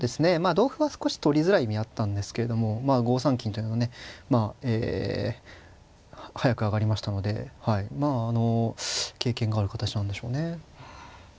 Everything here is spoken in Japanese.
同歩は少し取りづらい意味あったんですけども５三金というのがね早く上がりましたのでまああの経験がある形なんでしょうね。